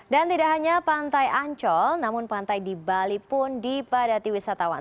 dan tidak hanya pantai ancol namun pantai di bali pun dipadati wisatawan